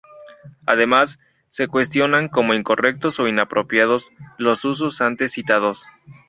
Además, se cuestionan como incorrectos o inapropiados los usos antes citados.